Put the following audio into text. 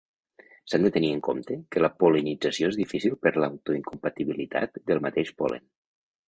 S'ha de tenir en compte que la pol·linització és difícil per l'autoincompatibilitat del mateix pol·len.